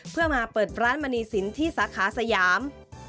เพื่อมาเปิดร้านมณีสินที่สาขาสยาม